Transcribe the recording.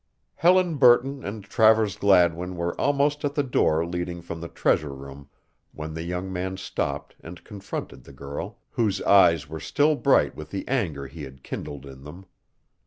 Helen Burton and Travers Gladwin were almost at the door leading from the treasure room when the young man stopped and confronted the girl, whose eyes were still bright with the anger he had kindled in them.